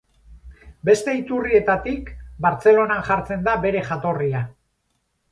Beste iturrietatik Bartzelonan jartzen da bere jatorria.